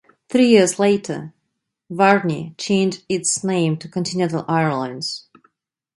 Three years later Varney changed its names to Continental Airlines.